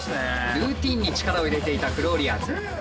ルーティーンに力を入れていたフローリアーズ。